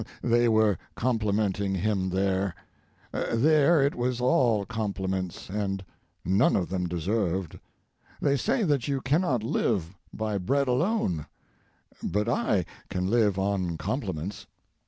They were complimenting him there; there it was all compliments, and none of them deserved. They say that you cannot live by bread alone, but I can live on compliments.